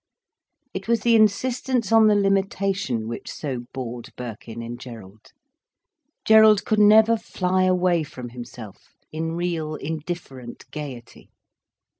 It was the insistence on the limitation which so bored Birkin in Gerald. Gerald could never fly away from himself, in real indifferent gaiety.